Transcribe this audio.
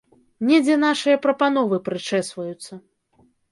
Недзе нашыя прапановы прычэсваюцца.